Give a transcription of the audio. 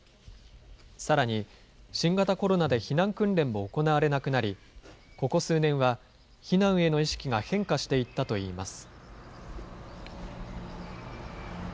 さらに、新型コロナで避難訓練も行われなくなり、ここ数年は避難への意識が変化していったといいます。